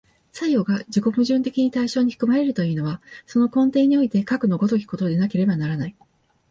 作用が自己矛盾的に対象に含まれるというのは、その根底においてかくの如きことでなければならない。